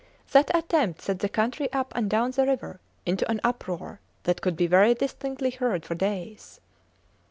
That attempt set the country up and down the river into an uproar that could be very distinctly heard for days.